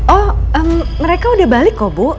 oh mereka udah balik kok bu